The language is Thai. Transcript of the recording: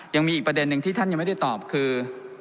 ยังมีอีกประเด็นที่ท่านที่ไม่ได้ตอบคือ